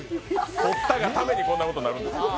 とったがためにこんなことにあるんです